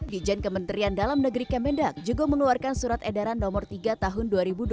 dijen kementerian dalam negeri kemendak juga mengeluarkan surat edaran nomor tiga tahun dua ribu dua puluh